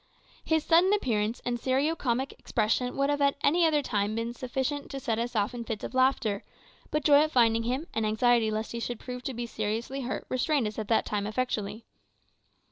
His sudden appearance and serio comic expression would have been at any other time sufficient to have set us off in fits of laughter; but joy at finding him, and anxiety lest he should prove to be seriously hurt, restrained us at that time effectually.